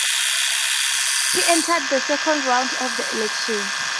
He entered the second round of the elections.